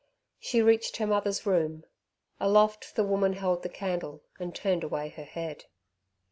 She reached her mother's room. Aloft the woman held the candle and turned away her head.